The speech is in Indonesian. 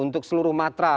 untuk seluruh matra